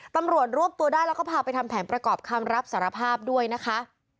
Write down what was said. ตำรวจรวบตัวได้แล้วก็พาไปทำแผนประกอบคำรับสารภาพด้วยนะคะ